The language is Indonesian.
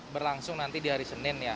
berlangsung nanti di hari senin ya